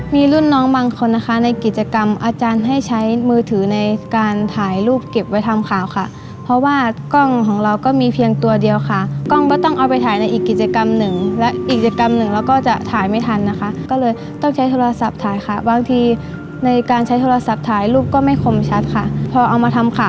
มีรุ่นน้องบางคนนะคะในกิจกรรมอาจารย์ให้ใช้มือถือในการถ่ายรูปเก็บไว้ทำข่าวค่ะเพราะว่ากล้องของเราก็มีเพียงตัวเดียวค่ะกล้องก็ต้องเอาไปถ่ายในอีกกิจกรรมหนึ่งและอีกกิจกรรมหนึ่งเราก็จะถ่ายไม่ทันนะคะก็เลยต้องใช้โทรศัพท์ถ่ายค่ะบางทีในการใช้โทรศัพท์ถ่ายรูปก็ไม่คมชัดค่ะพอเอามาทำข่าว